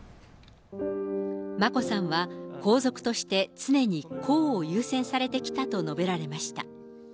眞子さんは、皇族として常に公を優先されてきたと述べられました。